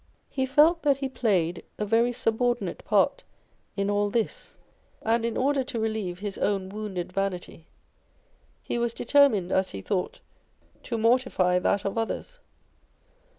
He felt that he played a very subordinate part in all this ; and in order to relieve his own wounded vanity, he was determined (as he thought) to mortify that of others.